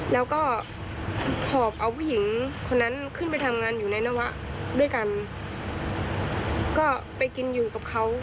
แล้วก็หอบเอาผู้หญิงคนนั้นขึ้นไปทำงานอยู่ในนวะด้วยกันก็ไปกินอยู่กับเขา